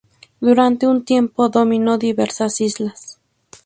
Durante un tiempo dominó diversas islas.